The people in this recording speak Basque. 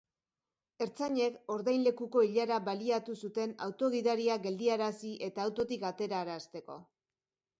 Ertzainek ordainlekuko ilara baliatu zuten auto gidaria geldiarazi eta autotik aterarazteko.